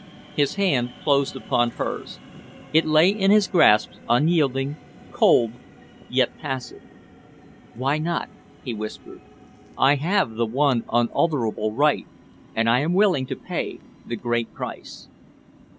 His hand closed upon hers. It lay in his grasp, unyielding, cold, yet passive. "Why not?" he whispered. "I have the one unalterable right, and I am willing to pay the great price."